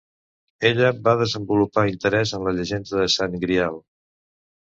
Ella va desenvolupar interès en la llegenda del Sant Greal.